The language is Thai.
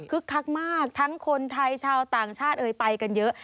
คักมากทั้งคนไทยชาวต่างชาติเอ่ยไปกันเยอะ